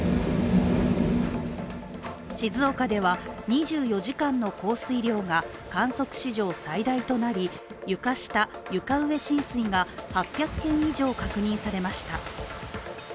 静岡では２４時間の降水量が観測史上最大となり床下・床上浸水が８００軒以上確認されました。